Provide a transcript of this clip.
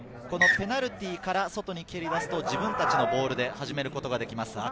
このペナルティーから外に蹴り出すと自分たちのボールで始めることができます。